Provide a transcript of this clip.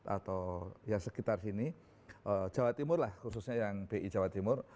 atau ya sekitar sini jawa timur lah khususnya yang bi jawa timur